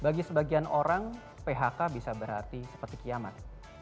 bagi sebagian orang phk bisa berarti seperti kiamat